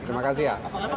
terima kasih ya